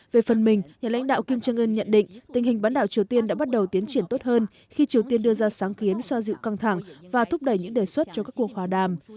về phần mình nhà lãnh đạo kim jong un nhận định tình hình bán đảo triều tiên đã bắt đầu tiến triển tốt hơn khi triều tiên đưa ra sáng kiến xoa dịu căng thẳng và thúc đẩy những đề xuất cho các cuộc hòa đàm